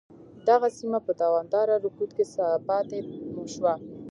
دغه سیمه په دوامداره رکود کې پاتې شوه.